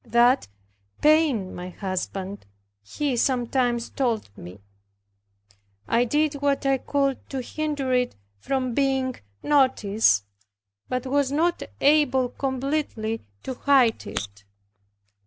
That pained my husband, he sometimes told me. I did what I could to hinder it from being noticed, but was not able completely to hide it.